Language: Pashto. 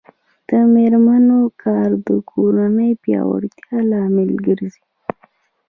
د میرمنو کار د کورنۍ پیاوړتیا لامل ګرځي.